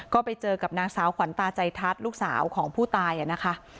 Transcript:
ก็ไปเจอกับนางสาวขวัญตาใจทัศน์ลูกสาวของผู้ตายนะคะ